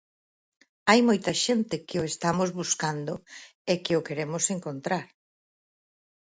Hai moita xente que o estamos buscando e que o queremos encontrar.